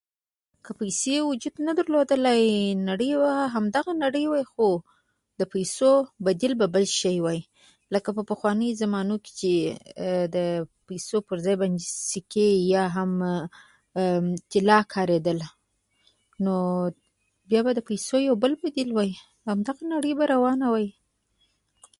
که په رښتیا وجود نه درلودلای نړۍ وه خو همدغه نړۍ وه خو د پیسو بديل به بل شی وه لکه پخوانیو زمانو کې چې د پیسو پر ځای سکې او یا مممم طلا کاريدل یا به خلکو خپل شیان سره تبادله کول چا به یو څه درلودل چا بل څه نو بیا به یې هغه سره بدل کول او خپل ضرورتونه به یې پوره کول یا به د پیسو بل بدیل وای بیا به هم همدغه نړۍ روانه وای